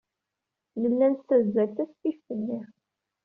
Nella nessazzal tasfift-nni.